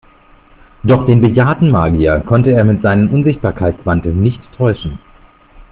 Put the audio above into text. Doch den bejahrten Magier konnte er mit seinem Unsichtbarkeitsmantel nicht täuschen.